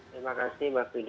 terima kasih mbak